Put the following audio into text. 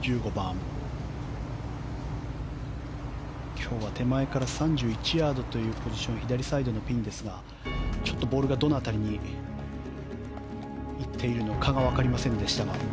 今日は手前から３１ヤードというポジションに左サイドのピンでボールがどの辺りに行っているのかが分かりませんでしたが。